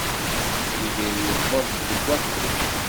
Yidir yewweḍ-d deg wakud.